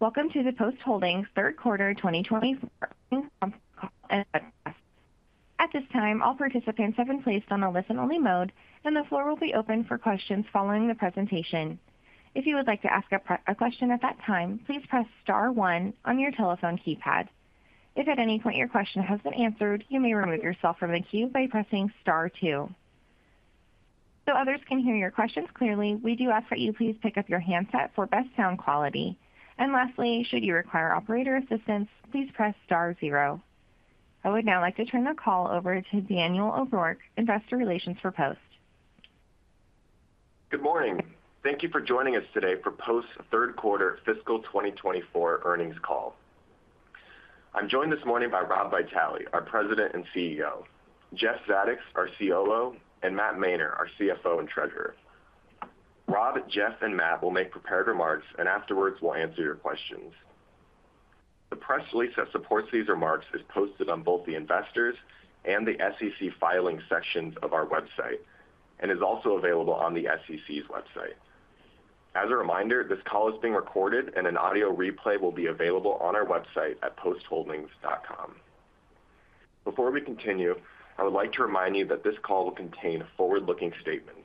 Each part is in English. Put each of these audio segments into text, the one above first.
Welcome to the Post Holdings Q3 2024 income call and address. At this time, all participants have been placed on a listen-only mode, and the floor will be open for questions following the presentation. If you would like to ask a question at that time, please press star one on your telephone keypad. If at any point your question has been answered, you may remove yourself from the queue by pressing star two. So others can hear your questions clearly, we do ask that you please pick up your handset for best sound quality. And lastly, should you require operator assistance, please press star zero. I would now like to turn the call over to Daniel O'Rourke, Investor Relations for Post. Good morning. Thank you for joining us today for Post's Q3 fiscal 2024 earnings call. I'm joined this morning by Rob Vitale, our president and CEO, Jeff Zadoks, our COO, and Matt Mainer, our CFO and treasurer. Rob, Jeff, and Matt will make prepared remarks, and afterwards we'll answer your questions. The press release that supports these remarks is posted on both the investors' and the SEC filing sections of our website and is also available on the SEC's website. As a reminder, this call is being recorded, and an audio replay will be available on our website at postholdings.com. Before we continue, I would like to remind you that this call will contain forward-looking statements,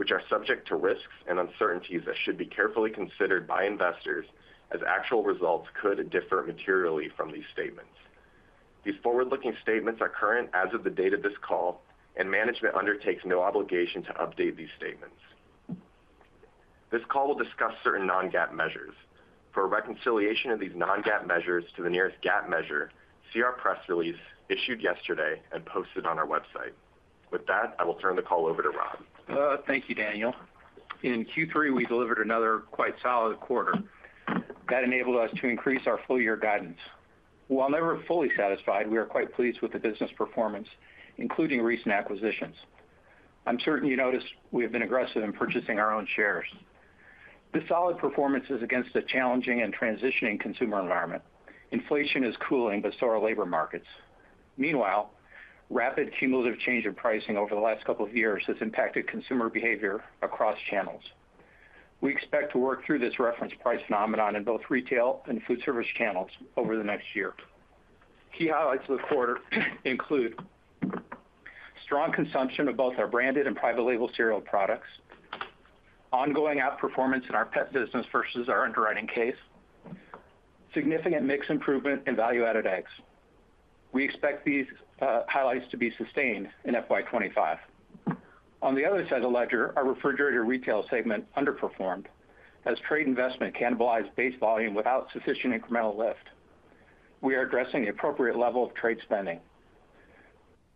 which are subject to risks and uncertainties that should be carefully considered by investors, as actual results could differ materially from these statements. These forward-looking statements are current as of the date of this call, and management undertakes no obligation to update these statements. This call will discuss certain non-GAAP measures. For reconciliation of these non-GAAP measures to the nearest GAAP measure, see our press release issued yesterday and posted on our website. With that, I will turn the call over to Rob. Thank you, Daniel. In Q3, we delivered another quite solid quarter. That enabled us to increase our full-year guidance. While never fully satisfied, we are quite pleased with the business performance, including recent acquisitions. I'm certain you noticed we have been aggressive in purchasing our own shares. This solid performance is against a challenging and transitioning consumer environment. Inflation is cooling, but so are labor markets. Meanwhile, rapid cumulative change in pricing over the last couple of years has impacted consumer behavior across channels. We expect to work through this reference price phenomenon in both retail and food service channels over the next year. Key highlights of the quarter include strong consumption of both our branded and private label cereal products, ongoing outperformance in our pet business versus our underwriting case, and significant mix improvement in value-added eggs. We expect these highlights to be sustained in FY25. On the other side of the ledger, our refrigerated retail segment underperformed as trade investment cannibalized base volume without sufficient incremental lift. We are addressing the appropriate level of trade spending.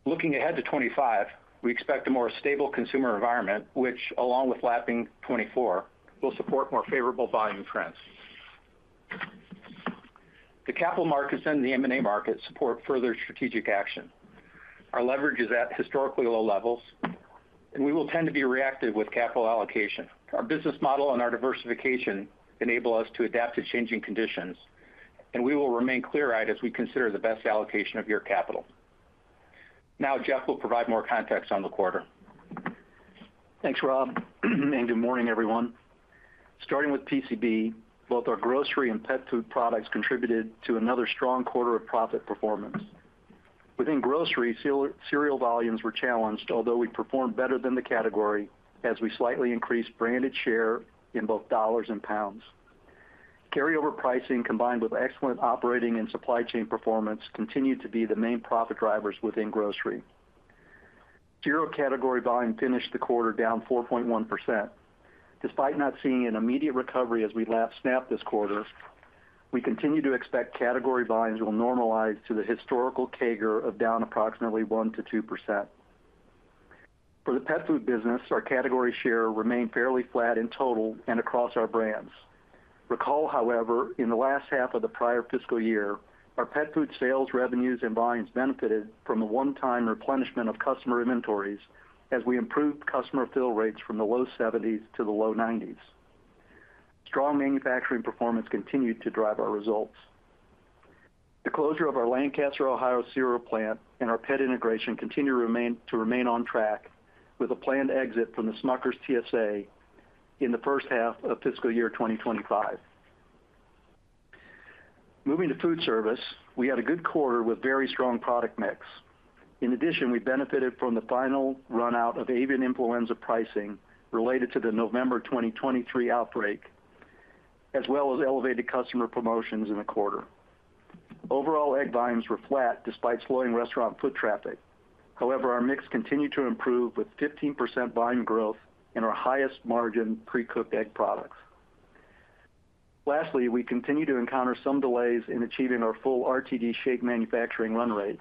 Looking ahead to 2025, we expect a more stable consumer environment, which, along with lapping 2024, will support more favorable volume trends. The capital markets and the M&A markets support further strategic action. Our leverage is at historically low levels, and we will tend to be reactive with capital allocation. Our business model and our diversification enable us to adapt to changing conditions, and we will remain clear-eyed as we consider the best allocation of your capital. Now, Jeff will provide more context on the quarter. Thanks, Rob. And good morning, everyone. Starting with PCB, both our grocery and pet food products contributed to another strong quarter of profit performance. Within grocery, cereal volumes were challenged, although we performed better than the category as we slightly increased branded share in both dollars and pounds. Carryover pricing, combined with excellent operating and supply chain performance, continued to be the main profit drivers within grocery. Cereal category volume finished the quarter down 4.1%. Despite not seeing an immediate recovery as we snapped this quarter, we continue to expect category volumes will normalize to the historical CAGR of down approximately 1%-2%. For the pet food business, our category share remained fairly flat in total and across our brands. Recall, however, in the last half of the prior fiscal year, our pet food sales, revenues, and volumes benefited from a one-time replenishment of customer inventories as we improved customer fill rates from the low 70s to the low 90s. Strong manufacturing performance continued to drive our results. The closure of our Lancaster, Ohio cereal plant and our pet integration continue to remain on track with a planned exit from the Smucker's TSA in the first half of fiscal year 2025. Moving to foodservice, we had a good quarter with very strong product mix. In addition, we benefited from the final run-out of avian influenza pricing related to the November 2023 outbreak, as well as elevated customer promotions in the quarter. Overall, egg volumes were flat despite slowing restaurant food traffic. However, our mix continued to improve with 15% volume growth in our highest margin pre-cooked egg products. Lastly, we continue to encounter some delays in achieving our full RTD shake manufacturing run rate.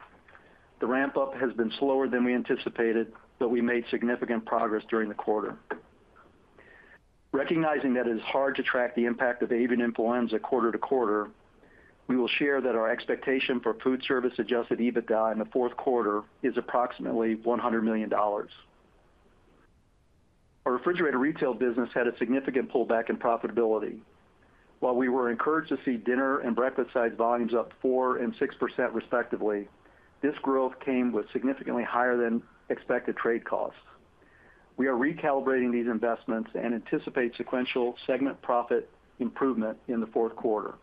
The ramp-up has been slower than we anticipated, but we made significant progress during the quarter. Recognizing that it is hard to track the impact of avian influenza quarter to quarter, we will share that our expectation for foodservice-adjusted EBITDA in the Q4 is approximately $100 million. Our refrigerated retail business had a significant pullback in profitability. While we were encouraged to see dinner and breakfast side volumes up 4% and 6% respectively, this growth came with significantly higher than expected trade costs. We are recalibrating these investments and anticipate sequential segment profit improvement in the Q4.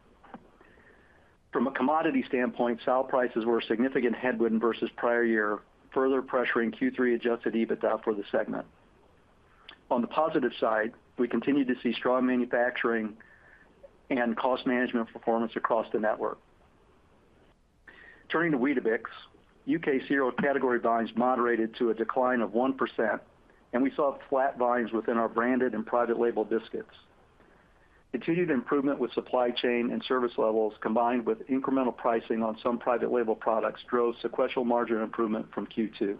From a commodity standpoint, sow prices were a significant headwind versus prior year, further pressuring Q3 adjusted EBITDA for the segment. On the positive side, we continue to see strong manufacturing and cost management performance across the network. Turning to Weetabix, UK cereal category volumes moderated to a decline of 1%, and we saw flat volumes within our branded and private label biscuits. Continued improvement with supply chain and service levels, combined with incremental pricing on some private label products, drove sequential margin improvement from Q2.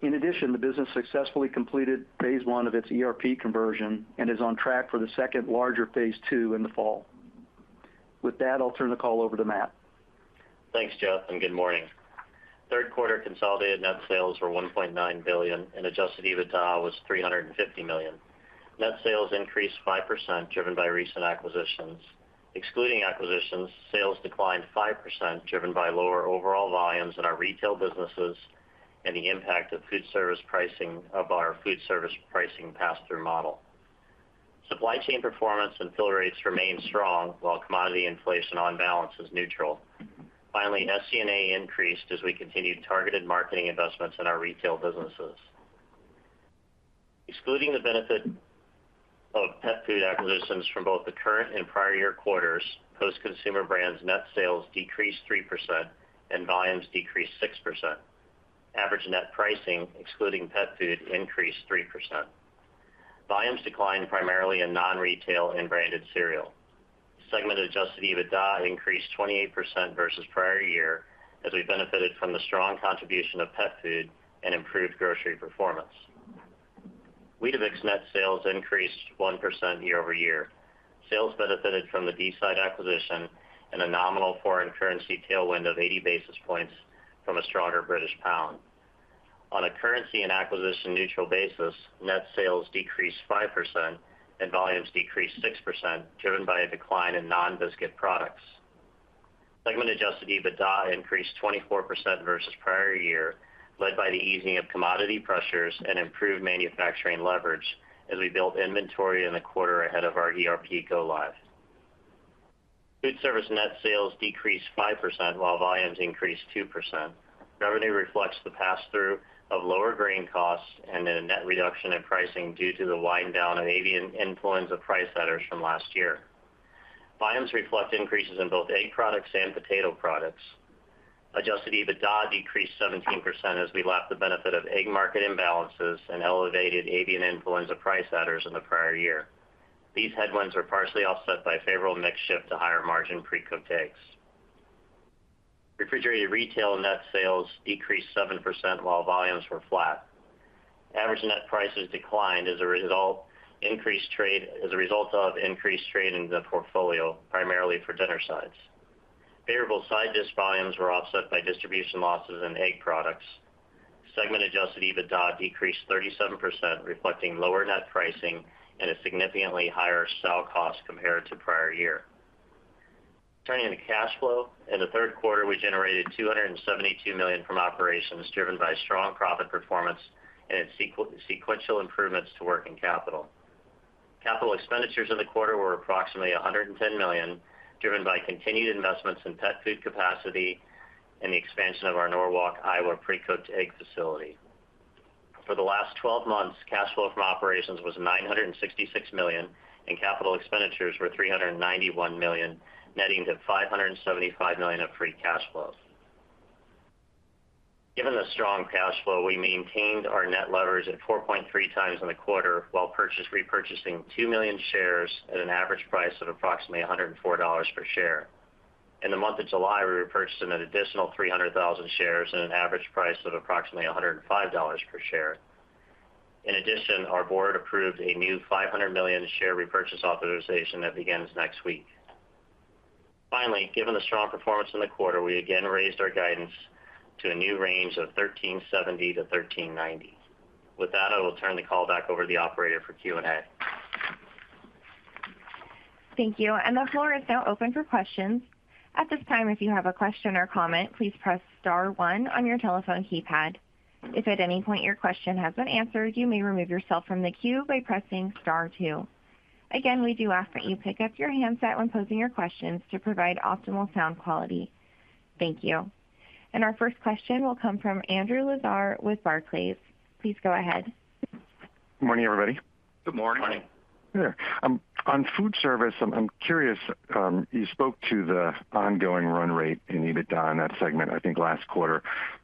In addition, the business successfully completed phase one of its ERP conversion and is on track for the second larger phase two in the fall. With that, I'll turn the call over to Matt. Thanks, Jeff, and good morning. Q3 consolidated net sales were $1.9 billion, and adjusted EBITDA was $350 million. Net sales increased 5%, driven by recent acquisitions. Excluding acquisitions, sales declined 5%, driven by lower overall volumes in our retail businesses and the impact of food service pricing of our food service pricing pass-through model. Supply chain performance and fill rates remained strong, while commodity inflation on balance is neutral. Finally, SG&A increased as we continued targeted marketing investments in our retail businesses. Excluding the benefit of pet food acquisitions from both the current and prior year quarters, Post Consumer Brands' net sales decreased 3%, and volumes decreased 6%. Average net pricing, excluding pet food, increased 3%. Volumes declined primarily in non-retail and branded cereal. Segment-adjusted EBITDA increased 28% versus prior year as we benefited from the strong contribution of pet food and improved grocery performance. Weetabix net sales increased 1% year-over-year. Sales benefited from the Deeside acquisition and a nominal foreign currency tailwind of 80 basis points from a stronger British pound. On a currency and acquisition neutral basis, net sales decreased 5%, and volumes decreased 6%, driven by a decline in non-biscuit products. Segment-adjusted EBITDA increased 24% versus prior year, led by the easing of commodity pressures and improved manufacturing leverage as we built inventory in the quarter ahead of our ERP go-live. Foodservice net sales decreased 5%, while volumes increased 2%. Revenue reflects the pass-through of lower grain costs and a net reduction in pricing due to the wind-down of avian influenza price adders from last year. Volumes reflect increases in both egg products and potato products. Adjusted EBITDA decreased 17% as we lapped the benefit of egg market imbalances and elevated avian influenza price adders in the prior year. These headwinds were partially offset by a favorable mix shift to higher margin pre-cooked eggs. Refrigerated retail net sales decreased 7%, while volumes were flat. Average net prices declined as a result of increased trade in the portfolio, primarily for dinner sides. Favorable side dish volumes were offset by distribution losses in egg products. Segment-adjusted EBITDA decreased 37%, reflecting lower net pricing and a significantly higher sow cost compared to prior year. Turning to cash flow, in the Q3, we generated $272 million from operations, driven by strong profit performance and sequential improvements to working capital. Capital expenditures in the quarter were approximately $110 million, driven by continued investments in pet food capacity and the expansion of our Norwalk, Iowa pre-cooked egg facility. For the last 12 months, cash flow from operations was $966 million, and capital expenditures were $391 million, netting to $575 million of free cash flow. Given the strong cash flow, we maintained our net leverage at 4.3 times in the quarter, while repurchasing 2 million shares at an average price of approximately $104 per share. In the month of July, we repurchased an additional 300,000 shares at an average price of approximately $105 per share. In addition, our board approved a new $500 million share repurchase authorization that begins next week. Finally, given the strong performance in the quarter, we again raised our guidance to a new range of $1,370-$1,390. With that, I will turn the call back over to the operator for Q&A. Thank you. And the floor is now open for questions. At this time, if you have a question or comment, please press Star 1 on your telephone keypad. If at any point your question has been answered, you may remove yourself from the queue by pressing Star 2. Again, we do ask that you pick up your handset when posing your questions to provide optimal sound quality. Thank you. And our first question will come from Andrew Lazar with Barclays. Please go ahead. Good morning, everybody. Good morning. Good morning. On foodservice, I'm curious. You spoke to the ongoing run rate in EBITDA in that segment, I think last quarter,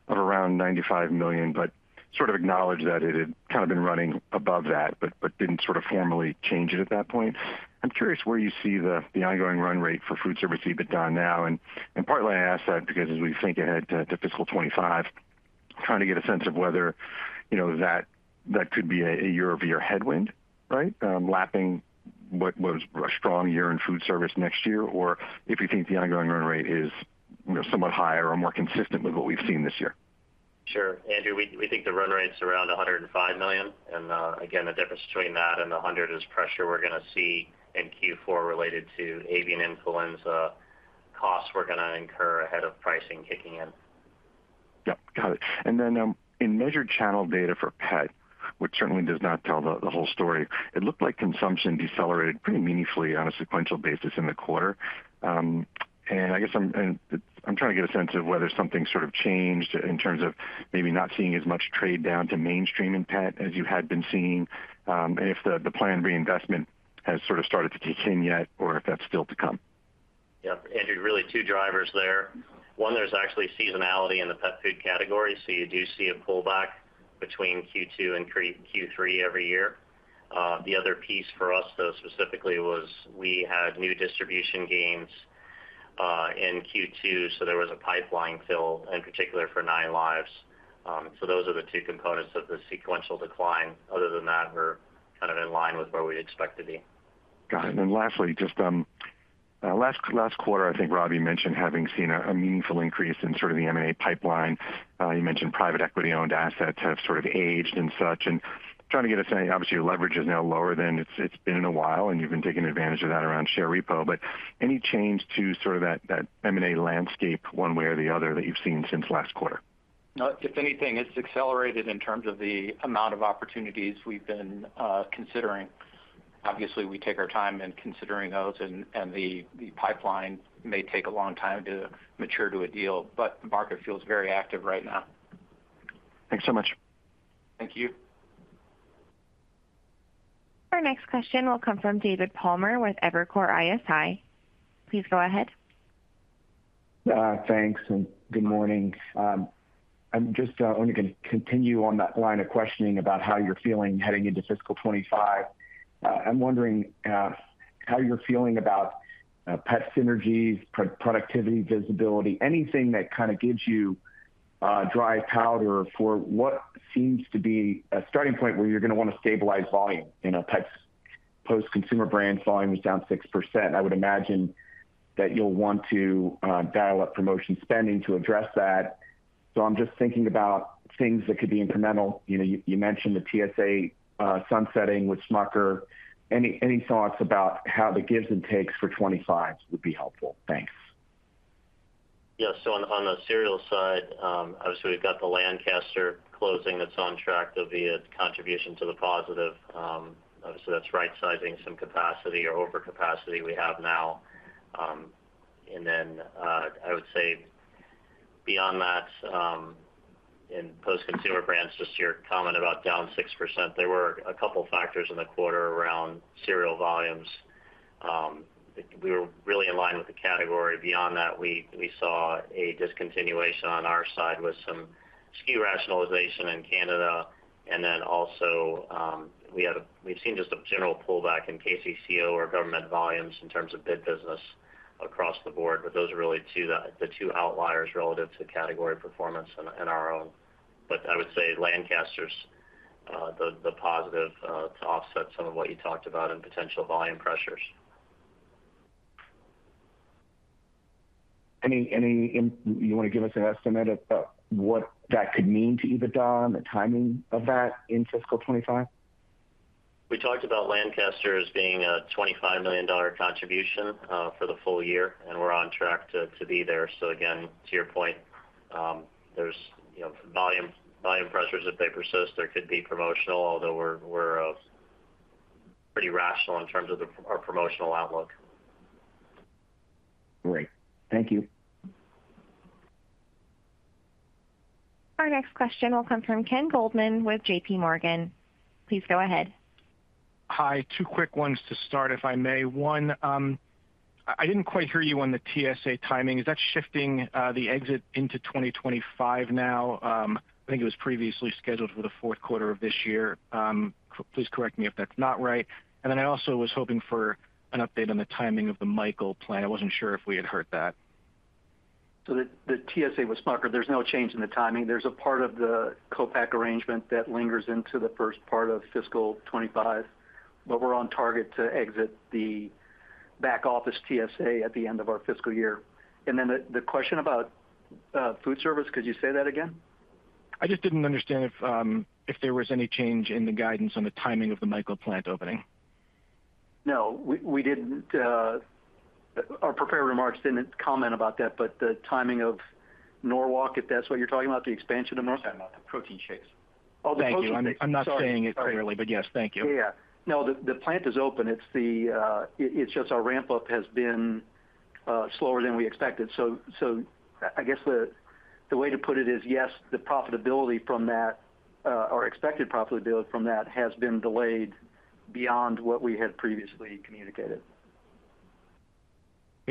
of around $95 million, but sort of acknowledged that it had kind of been running above that, but didn't sort of formally change it at that point. I'm curious where you see the ongoing run rate for foodservice EBITDA now. And partly I ask that because as we think ahead to fiscal 2025, trying to get a sense of whether that could be a year-over-year headwind, right, lapping what was a strong year in foodservice next year, or if you think the ongoing run rate is somewhat higher or more consistent with what we've seen this year. Sure. Andrew, we think the run rate's around $105 million. And again, the difference between that and the $100 million is pressure we're going to see in Q4 related to avian influenza costs we're going to incur ahead of pricing kicking in. Yep. Got it. And then in measured channel data for pet, which certainly does not tell the whole story, it looked like consumption decelerated pretty meaningfully on a sequential basis in the quarter. And I guess I'm trying to get a sense of whether something sort of changed in terms of maybe not seeing as much trade down to mainstreaming pet as you had been seeing, and if the planned reinvestment has sort of started to kick in yet, or if that's still to come. Yep. Andrew, really two drivers there. One, there's actually seasonality in the pet food category, so you do see a pullback between Q2 and Q3 every year. The other piece for us, though, specifically, was we had new distribution gains in Q2, so there was a pipeline fill, in particular for 9Lives. So those are the two components of the sequential decline. Other than that, we're kind of in line with where we expect to be. Got it. And then lastly, just last quarter, I think Rob, you mentioned having seen a meaningful increase in sort of the M&A pipeline. You mentioned private equity-owned assets have sort of aged and such. And trying to get a sense, obviously, your leverage is now lower than it's been in a while, and you've been taking advantage of that around share repo. But any change to sort of that M&A landscape one way or the other that you've seen since last quarter? If anything, it's accelerated in terms of the amount of opportunities we've been considering. Obviously, we take our time in considering those, and the pipeline may take a long time to mature to a deal, but the market feels very active right now. Thanks so much. Thank you. Our next question will come from David Palmer with Evercore ISI. Please go ahead. Thanks, and good morning. I'm just only going to continue on that line of questioning about how you're feeling heading into fiscal 2025. I'm wondering how you're feeling about pet synergies, productivity, visibility, anything that kind of gives you dry powder for what seems to be a starting point where you're going to want to stabilize volume. Pets, Post Consumer Brands volume is down 6%. I would imagine that you'll want to dial up promotion spending to address that. So I'm just thinking about things that could be incremental. You mentioned the TSA sunsetting with Smucker. Any thoughts about how the gives and takes for 2025 would be helpful? Thanks. Yeah. So on the cereal side, obviously, we've got the Lancaster closing that's on track to be a contribution to the positive. Obviously, that's right-sizing some capacity or overcapacity we have now. And then I would say beyond that, in Post Consumer Brands, just your comment about down 6%, there were a couple of factors in the quarter around cereal volumes. We were really in line with the category. Beyond that, we saw a discontinuation on our side with some SKU rationalization in Canada. And then also, we've seen just a general pullback in KCCO or government volumes in terms of bid business across the board, but those are really the two outliers relative to category performance and our own. But I would say Lancaster's the positive to offset some of what you talked about in potential volume pressures. And you want to give us an estimate of what that could mean to EBITDA and the timing of that in fiscal 2025? We talked about Lancaster as being a $25 million contribution for the full year, and we're on track to be there. So again, to your point, there's volume pressures if they persist. There could be promotional, although we're pretty rational in terms of our promotional outlook. Great. Thank you. Our next question will come from Ken Goldman with JPMorgan. Please go ahead. Hi. Two quick ones to start, if I may. One, I didn't quite hear you on the TSA timing. Is that shifting the exit into 2025 now? I think it was previously scheduled for the Q4 of this year. Please correct me if that's not right. And then I also was hoping for an update on the timing of the Michael plant. I wasn't sure if we had heard that. So the TSA with Smucker, there's no change in the timing. There's a part of the co-pack arrangement that lingers into the first part of fiscal 2025, but we're on target to exit the back-office TSA at the end of our fiscal year. And then the question about food service, could you say that again? I just didn't understand if there was any change in the guidance on the timing of the Michael plant opening? No. We didn't. Our prepared remarks didn't comment about that, but the timing of Norwalk, if that's what you're talking about, the expansion of Norwalk. I'm talking about the protein shakes. Oh, thank you. I'm not saying it clearly, but yes, thank you. Yeah. No, the plant is open. It's just our ramp-up has been slower than we expected. So I guess the way to put it is, yes, the profitability from that, or expected profitability from that, has been delayed beyond what we had previously communicated. Okay.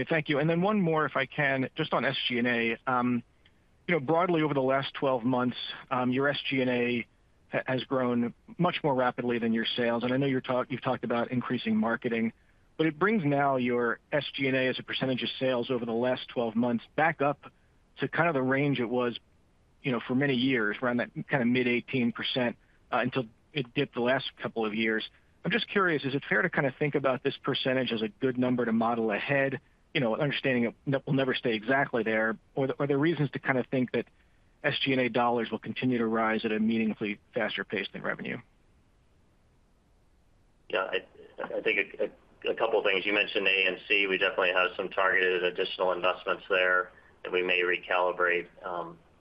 Thank you. And then one more, if I can, just on SG&A. Broadly, over the last 12 months, your SG&A has grown much more rapidly than your sales. And I know you've talked about increasing marketing, but it brings now your SG&A as a percentage of sales over the last 12 months back up to kind of the range it was for many years, around that kind of mid-18% until it dipped the last couple of years. I'm just curious, is it fair to kind of think about this percentage as a good number to model ahead, understanding it will never stay exactly there? Or are there reasons to kind of think that SG&A dollars will continue to rise at a meaningfully faster pace than revenue? Yeah. I think a couple of things. You mentioned A&C. We definitely have some targeted additional investments there that we may recalibrate.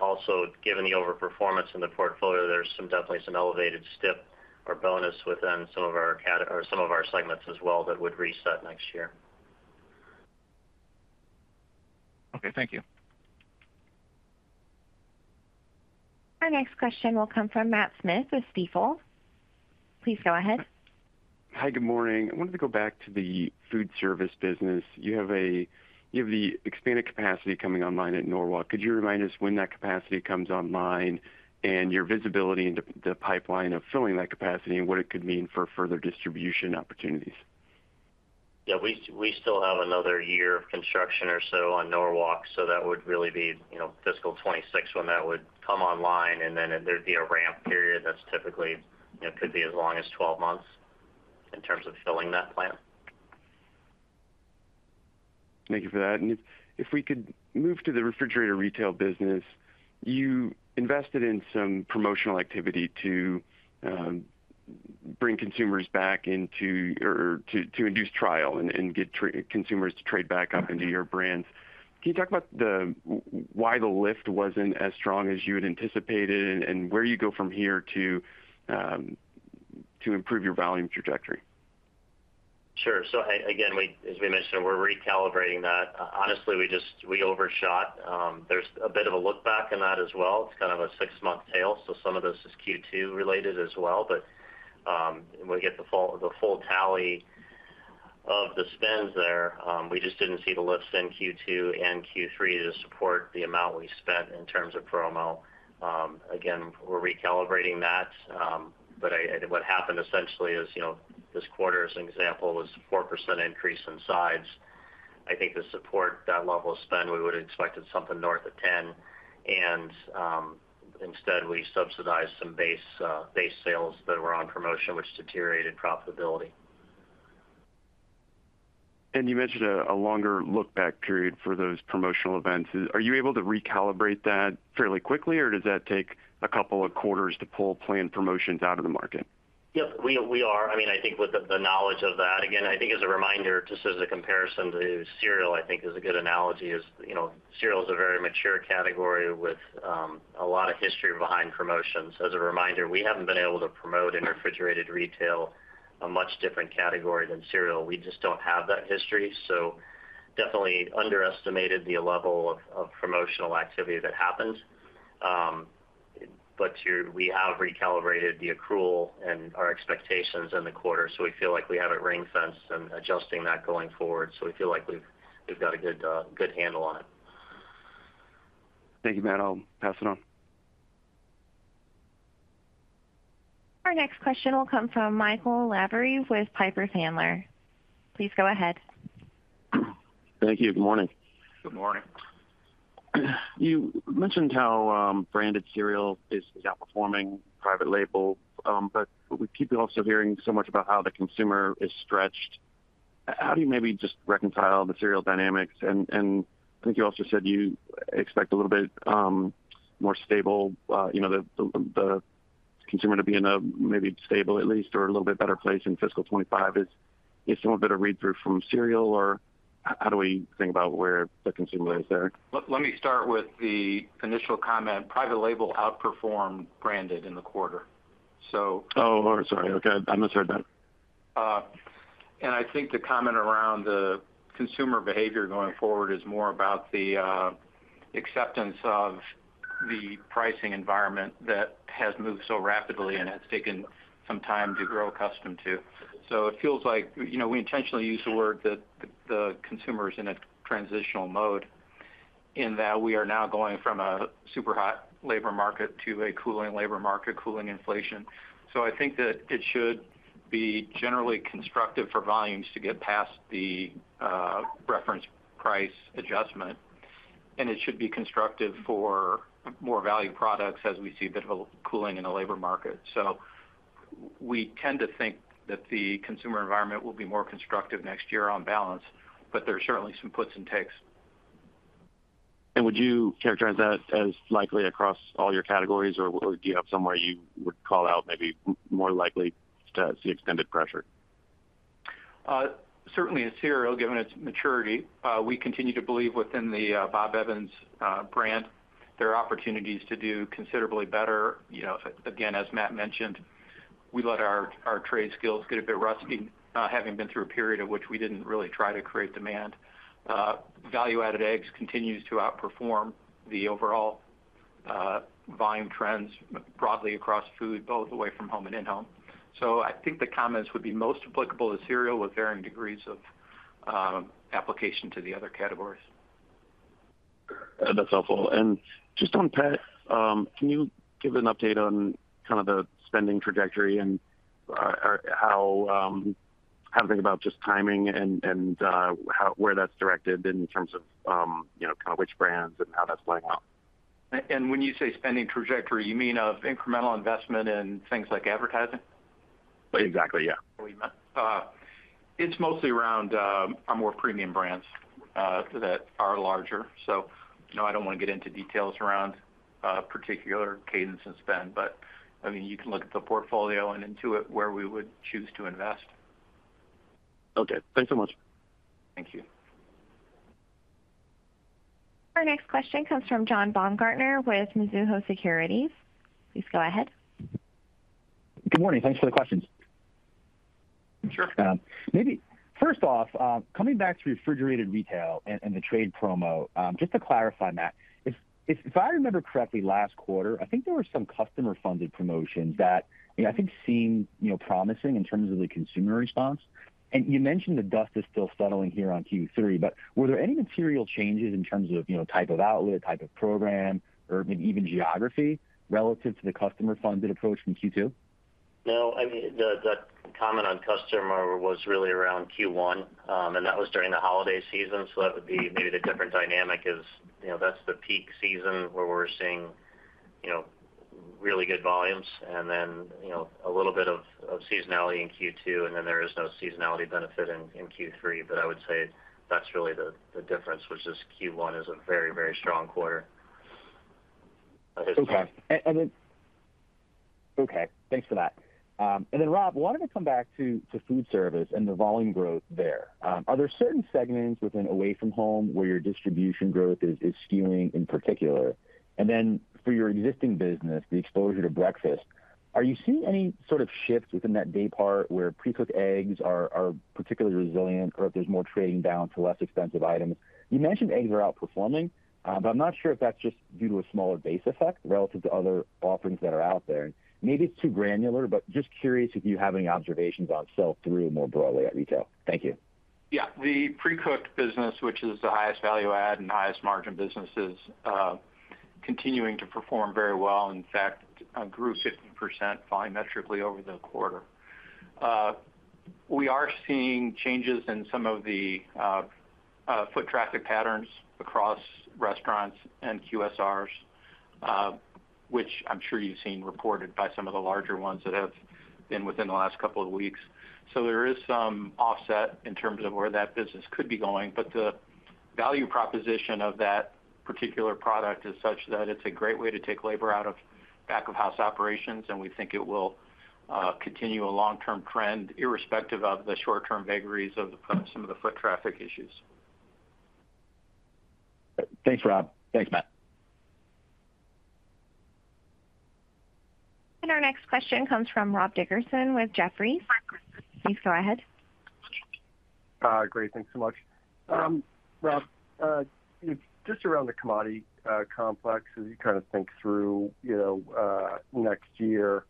Also, given the overperformance in the portfolio, there's definitely some elevated STIP or bonus within some of our segments as well that would reset next year. Okay. Thank you. Our next question will come from Matt Smith with Stifel. Please go ahead. Hi. Good morning. I wanted to go back to the food service business. You have the expanded capacity coming online at Norwalk. Could you remind us when that capacity comes online and your visibility into the pipeline of filling that capacity and what it could mean for further distribution opportunities? Yeah. We still have another year of construction or so on Norwalk, so that would really be fiscal 2026 when that would come online. And then there'd be a ramp period that's typically could be as long as 12 months in terms of filling that plant. Thank you for that. And if we could move to the refrigerator retail business, you invested in some promotional activity to bring consumers back into or to induce trial and get consumers to trade back up into your brands. Can you talk about why the lift wasn't as strong as you had anticipated and where you go from here to improve your volume trajectory? Sure. So again, as we mentioned, we're recalibrating that. Honestly, we overshot. There's a bit of a look-back in that as well. It's kind of a six-month tail, so some of this is Q2-related as well. But when we get the full tally of the spends there, we just didn't see the lifts in Q2 and Q3 to support the amount we spent in terms of promo. Again, we're recalibrating that. But what happened essentially is this quarter, as an example, was a 4% increase in sides. I think to support that level of spend, we would have expected something north of 10. And instead, we subsidized some base sales that were on promotion, which deteriorated profitability. You mentioned a longer look-back period for those promotional events. Are you able to recalibrate that fairly quickly, or does that take a couple of quarters to pull planned promotions out of the market? Yep. We are. I mean, I think with the knowledge of that, again, I think as a reminder, just as a comparison to cereal, I think is a good analogy, is cereal is a very mature category with a lot of history behind promotions. As a reminder, we haven't been able to promote in refrigerated retail, a much different category than cereal. We just don't have that history. So definitely underestimated the level of promotional activity that happened. But we have recalibrated the accrual and our expectations in the quarter, so we feel like we have it ring-fenced and adjusting that going forward. So we feel like we've got a good handle on it. Thank you, Matt. I'll pass it on. Our next question will come from Michael Lavery with Piper Sandler. Please go ahead. Thank you. Good morning. Good morning. You mentioned how branded cereal is outperforming private label, but we keep also hearing so much about how the consumer is stretched. How do you maybe just reconcile the cereal dynamics? And I think you also said you expect a little bit more stable, the consumer to be in a maybe stable at least or a little bit better place in fiscal 2025. Is someone better read-through from cereal, or how do we think about where the consumer is there? Let me start with the initial comment. Private label outperformed branded in the quarter, so. Oh, sorry. Okay. I misheard that. I think the comment around the consumer behavior going forward is more about the acceptance of the pricing environment that has moved so rapidly and has taken some time to grow accustomed to. It feels like we intentionally use the word that the consumer is in a transitional mode in that we are now going from a super hot labor market to a cooling labor market, cooling inflation. I think that it should be generally constructive for volumes to get past the reference price adjustment, and it should be constructive for more value products as we see a bit of a cooling in the labor market. We tend to think that the consumer environment will be more constructive next year on balance, but there are certainly some puts and takes. Would you characterize that as likely across all your categories, or do you have somewhere you would call out maybe more likely to see extended pressure? Certainly, in cereal, given its maturity, we continue to believe within the Bob Evans brand. There are opportunities to do considerably better. Again, as Matt mentioned, we let our trade skills get a bit rusty, having been through a period of which we didn't really try to create demand. Value-added eggs continues to outperform the overall volume trends broadly across food, both away from home and in-home. So I think the comments would be most applicable to cereal with varying degrees of application to the other categories. That's helpful. Just on PET, can you give an update on kind of the spending trajectory and how to think about just timing and where that's directed in terms of kind of which brands and how that's playing out? When you say spending trajectory, you mean of incremental investment in things like advertising? Exactly. Yeah. It's mostly around our more premium brands that are larger. So no, I don't want to get into details around particular cadence and spend, but I mean, you can look at the portfolio and into it where we would choose to invest. Okay. Thanks so much. Thank you. Our next question comes from John Baumgartner with Mizuho Securities. Please go ahead. Good morning. Thanks for the questions. Sure. Maybe first off, coming back to refrigerated retail and the trade promo, just to clarify, Matt, if I remember correctly last quarter, I think there were some customer-funded promotions that I think seemed promising in terms of the consumer response. And you mentioned the dust is still settling here on Q3, but were there any material changes in terms of type of outlet, type of program, or maybe even geography relative to the customer-funded approach from Q2? No. I mean, the comment on customer was really around Q1, and that was during the holiday season. So that would be maybe the different dynamic is that's the peak season where we're seeing really good volumes and then a little bit of seasonality in Q2, and then there is no seasonality benefit in Q3. But I would say that's really the difference, which is Q1 is a very, very strong quarter. Okay. Okay. Thanks for that. And then, Rob, why don't we come back to food service and the volume growth there? Are there certain segments within away from home where your distribution growth is skewing in particular? And then for your existing business, the exposure to breakfast, are you seeing any sort of shift within that day part where pre-cooked eggs are particularly resilient or if there's more trading down to less expensive items? You mentioned eggs are outperforming, but I'm not sure if that's just due to a smaller base effect relative to other offerings that are out there. Maybe it's too granular, but just curious if you have any observations on sell-through more broadly at retail. Thank you. Yeah. The pre-cooked business, which is the highest value-add and highest margin businesses, continuing to perform very well. In fact, grew 50% volumetrically over the quarter. We are seeing changes in some of the foot traffic patterns across restaurants and QSRs, which I'm sure you've seen reported by some of the larger ones that have been within the last couple of weeks. So there is some offset in terms of where that business could be going, but the value proposition of that particular product is such that it's a great way to take labor out of back-of-house operations, and we think it will continue a long-term trend irrespective of the short-term vagaries of some of the foot traffic issues. Thanks, Rob. Thanks, Matt. Our next question comes from Rob Dickerson with Jefferies. Please go ahead. Great. Thanks so much. Rob, just around the commodity complex, as you kind of think through next year,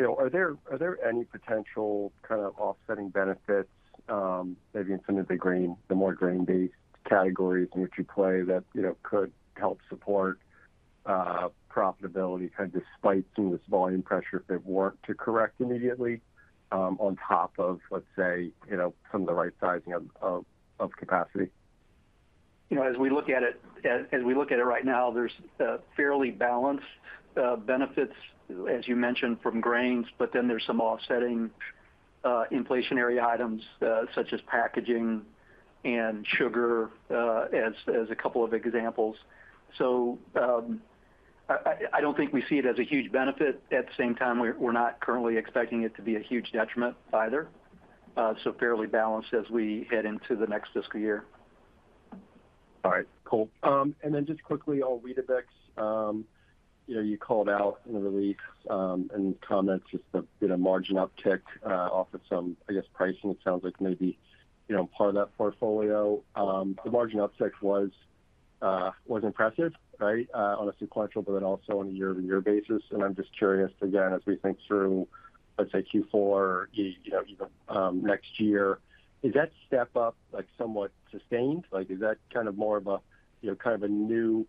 are there any potential kind of offsetting benefits maybe in some of the more grain-based categories in which you play that could help support profitability kind of despite some of this volume pressure if it weren't to correct immediately on top of, let's say, some of the right sizing of capacity? As we look at it, as we look at it right now, there's fairly balanced benefits, as you mentioned, from grains, but then there's some offsetting inflationary items such as packaging and sugar as a couple of examples. So I don't think we see it as a huge benefit. At the same time, we're not currently expecting it to be a huge detriment either. So fairly balanced as we head into the next fiscal year. All right. Cool. And then just quickly, I'll read a bit you called out in the release and comments just the margin uptick off of some, I guess, pricing. It sounds like maybe part of that portfolio. The margin uptick was impressive, right, on a sequential, but then also on a year-to-year basis. And I'm just curious, again, as we think through, let's say, Q4, even next year, is that step-up somewhat sustained? Is that kind of more of a kind of a new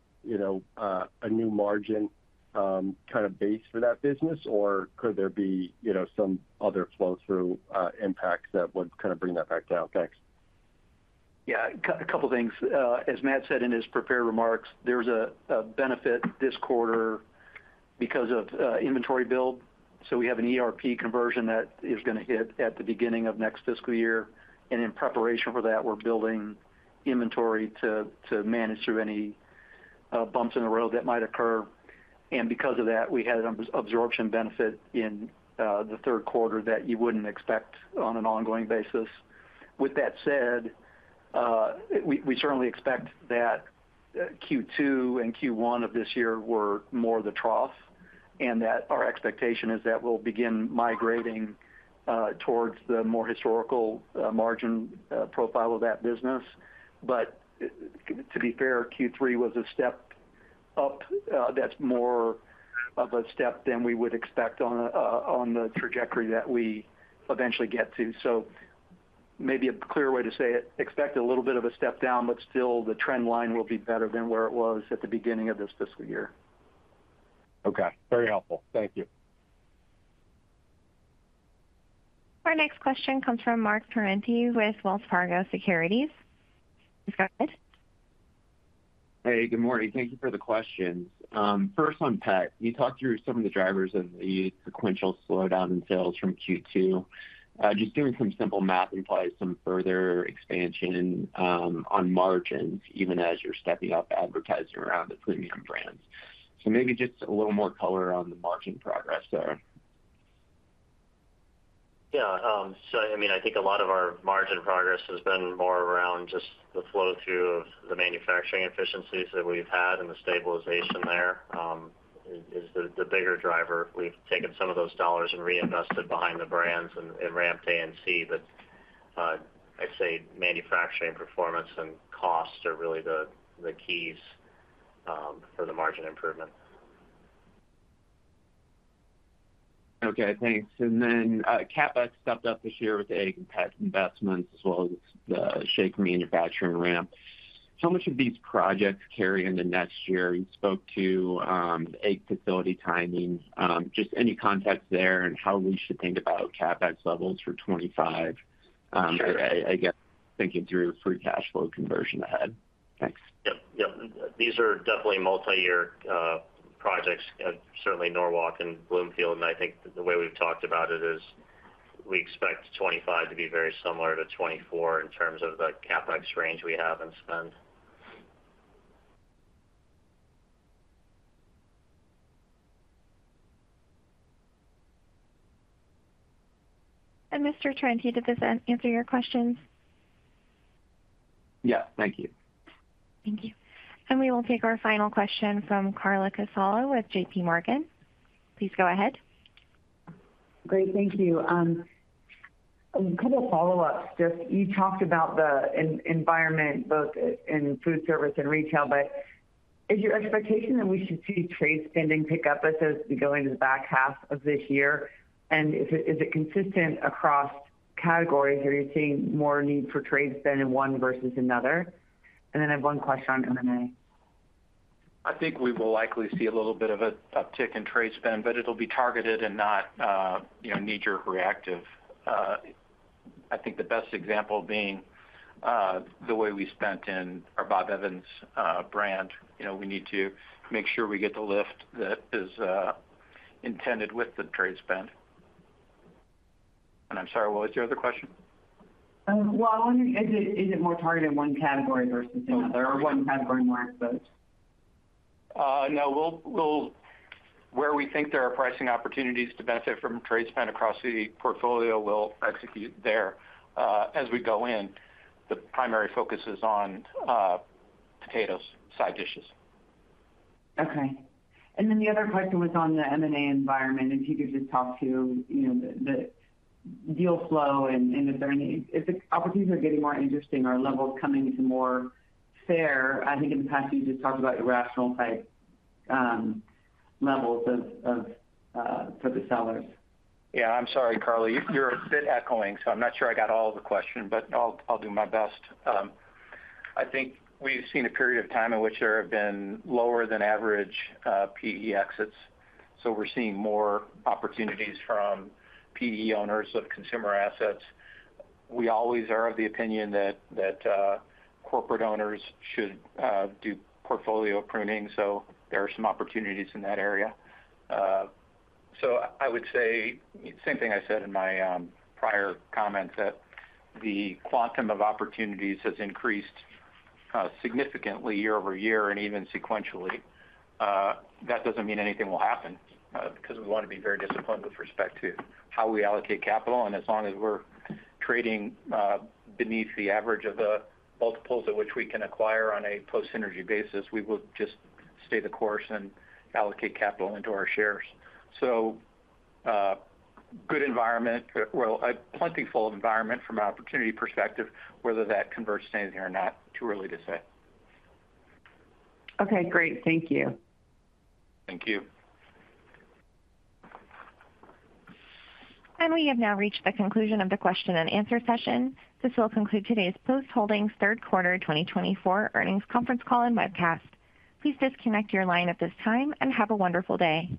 margin kind of base for that business, or could there be some other flow-through impacts that would kind of bring that back down? Thanks. Yeah. A couple of things. As Matt said in his prepared remarks, there's a benefit this quarter because of inventory build. So we have an ERP conversion that is going to hit at the beginning of next fiscal year. And in preparation for that, we're building inventory to manage through any bumps in the road that might occur. And because of that, we had an absorption benefit in the Q3 that you wouldn't expect on an ongoing basis. With that said, we certainly expect that Q2 and Q1 of this year were more the trough, and that our expectation is that we'll begin migrating towards the more historical margin profile of that business. But to be fair, Q3 was a step up that's more of a step than we would expect on the trajectory that we eventually get to. Maybe a clear way to say it: expect a little bit of a step down, but still the trend line will be better than where it was at the beginning of this fiscal year. Okay. Very helpful. Thank you. Our next question comes from Marc Torrente with Wells Fargo Securities. Please go ahead. Hey, good morning. Thank you for the questions. First on PET, you talked through some of the drivers of the sequential slowdown in sales from Q2. Just doing some simple math implies some further expansion on margins, even as you're stepping up advertising around the premium brands. So maybe just a little more color on the margin progress there. Yeah. So I mean, I think a lot of our margin progress has been more around just the flow-through of the manufacturing efficiencies that we've had and the stabilization there is the bigger driver. We've taken some of those dollars and reinvested behind the brands and ramped A&C, but I'd say manufacturing performance and cost are really the keys for the margin improvement. Okay. Thanks. And then CapEx stepped up this year with egg and PET investments as well as the shake manufacturing ramp. How much of these projects carry into next year? You spoke to egg facility timing. Just any context there and how we should think about CapEx levels for 2025, I guess, thinking through free cash flow conversion ahead. Thanks. Yep. Yep. These are definitely multi-year projects, certainly Norwalk and Bloomfield. I think the way we've talked about it is we expect 2025 to be very similar to 2024 in terms of the CapEx range we have and spend. Mr. Torrente, did this answer your questions? Yeah. Thank you. Thank you. We will take our final question from Carla Casella with JPMorgan. Please go ahead. Great. Thank you. A couple of follow-ups. Just you talked about the environment, both in food service and retail, but is your expectation that we should see trade spending pick up as we go into the back half of this year? And is it consistent across categories? Are you seeing more need for trade spend in one versus another? And then I have one question on M&A. I think we will likely see a little bit of an uptick in trade spend, but it'll be targeted and not knee-jerk reactive. I think the best example being the way we spent in our Bob Evans brand. We need to make sure we get the lift that is intended with the trade spend. I'm sorry, what was your other question? Well, I'm wondering, is it more targeted in one category versus another or one category more exposed? No. Where we think there are pricing opportunities to benefit from trade spend across the portfolio, we'll execute there as we go in. The primary focus is on potatoes, side dishes. Okay. Then the other question was on the M&A environment. If you could just talk to the deal flow and if the opportunities are getting more interesting or levels coming to more fair. I think in the past you just talked about irrational type levels for the sellers. Yeah. I'm sorry, Carla. You're a bit echoing, so I'm not sure I got all of the question, but I'll do my best. I think we've seen a period of time in which there have been lower than average PE exits. So we're seeing more opportunities from PE owners of consumer assets. We always are of the opinion that corporate owners should do portfolio pruning, so there are some opportunities in that area. So I would say, same thing I said in my prior comments, that the quantum of opportunities has increased significantly year-over-year and even sequentially. That doesn't mean anything will happen because we want to be very disciplined with respect to how we allocate capital. As long as we're trading beneath the average of the multiples at which we can acquire on a post-synergy basis, we will just stay the course and allocate capital into our shares. Good environment, well, a plentiful environment from an opportunity perspective, whether that converts to anything or not, too early to say. Okay. Great. Thank you. Thank you. We have now reached the conclusion of the question and answer session. This will conclude today's Post Holdings Q3 2024 Earnings Conference Call and Webcast. Please disconnect your line at this time and have a wonderful day.